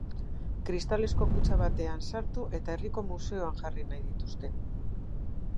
Kristalezko kutxa batean sartu eta herriko museoan jarri nahi dituzte.